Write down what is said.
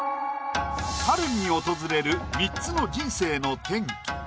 春に訪れる３つの人生の転機。